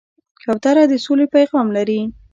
کوتره د سولې پیغام لري.